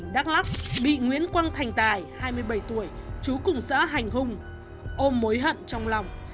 đắk lắc bị nguyễn quang thành tài hai mươi bảy tuổi trú cùng xã hành hùng ôm mối hận trong lòng